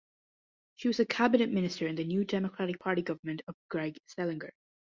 She was a cabinet minister in the New Democratic Party government of Greg Selinger.